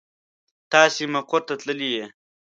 تاسې مقر ته تللي يئ.